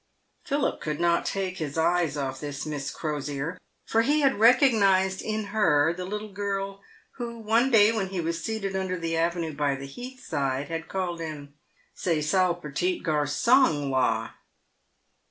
Philip could not take his eyes off this Miss Crosier, for he had re cognised in her the little girl who one day, when he was seated under the avenue by the heath side, had called him " ce sal pettit garsong la."